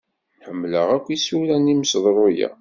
Ḥemmleɣ akk isura n yimseḍru-a.